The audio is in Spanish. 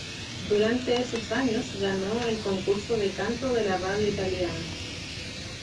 Durante esos años, ganó el concurso de Canto de la radio Italiana.